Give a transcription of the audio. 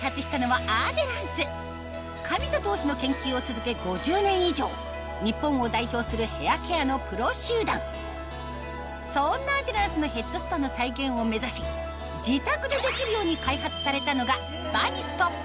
髪と頭皮の研究を続け５０年以上日本を代表するヘアケアのプロ集団そんなアデランスのヘッドスパの再現を目指し自宅でできるように開発されたのがスパニスト